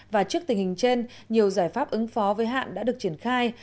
và trước tình hình trên nhiều giải pháp ứng phó với hạn đã được triển khai